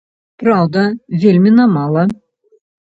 Праўда, вельмі на мала.